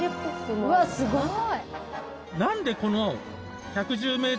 うわすごい。